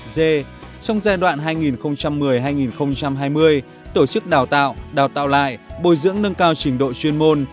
d trong giai đoạn hai nghìn một mươi hai nghìn hai mươi tổ chức đào tạo đào tạo lại bồi dưỡng nâng cao trình độ chuyên môn